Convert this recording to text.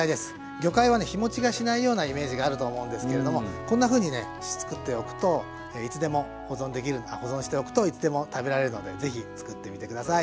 魚介はね日持ちがしないようなイメージがあると思うんですけれどもこんなふうにねつくっておくといつでも保存できるあっ保存しておくといつでも食べられるのでぜひつくってみて下さい。